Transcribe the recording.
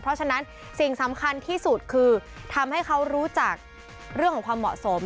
เพราะฉะนั้นสิ่งสำคัญที่สุดคือทำให้เขารู้จักเรื่องของความเหมาะสม